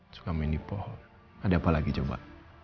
suka main di pohon ada apa lagi coba